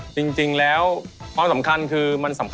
ปีสามเก้า